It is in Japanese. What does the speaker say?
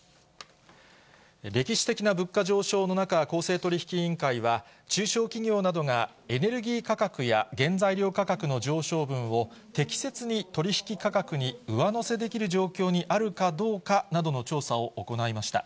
歴史的な物価上昇の中、公正取引委員会は、中小企業などがエネルギー価格や原材料価格の上昇分を適切に取り引き価格に上乗せできる状況にあるかどうかなどの調査を行いました。